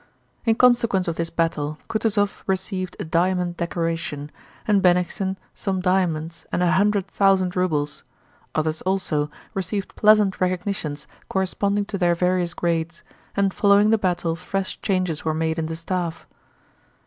In consequence of this battle Kutúzov received a diamond decoration, and Bennigsen some diamonds and a hundred thousand rubles, others also received pleasant recognitions corresponding to their various grades, and following the battle fresh changes were made in the staff.